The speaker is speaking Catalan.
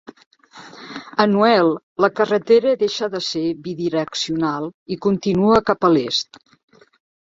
A Noel, la carretera deixa de ser bidireccional i continua cap a l'est.